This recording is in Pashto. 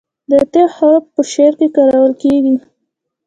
د "ت" حرف په شعر کې کارول کیږي.